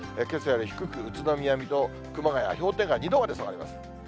けさより低く、宇都宮、水戸、熊谷氷点下２度まで下がります。